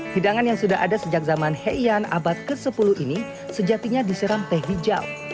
hidangan yang sudah ada sejak zaman heian abad ke sepuluh ini sejatinya disiram teh hijau